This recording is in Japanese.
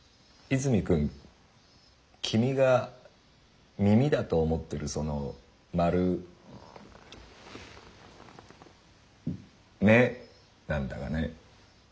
泉クン君が「耳」だと思ってるその丸「目」なんだがね。